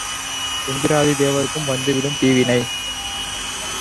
இந்திராதி தேவர்க்கும் வந்திடும் தீவினை.